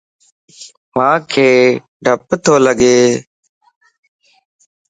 مانک ڊپَ تو لڳَ